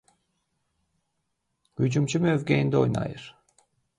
Hücumçu mövqeyində oynayır.